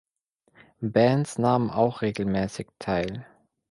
Bands nahmen auch regelmäßig teil.